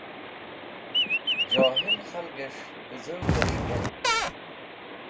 Johil khalgẽsh pẽzũvẽ s̃hẽkind.